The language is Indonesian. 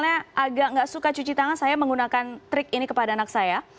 karena agak nggak suka cuci tangan saya menggunakan trik ini kepada anak saya